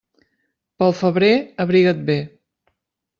Pel febrer, abriga't bé.